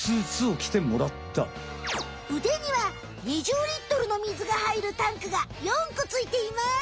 うでには２０リットルのみずがはいるタンクが４こついています。